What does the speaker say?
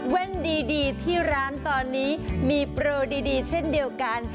ดีที่ร้านตอนนี้มีโปรดีเช่นเดียวกัน